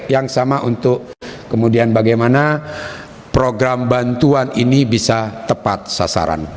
yang sama untuk kemudian bagaimana program bantuan ini bisa tepat sasaran